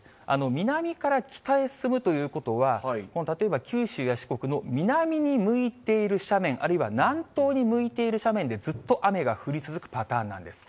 南から北へ進むということは、例えば九州や四国の南に向いている斜面、あるいは南東に向いている斜面でずっと雨が降り続くパターンなんです。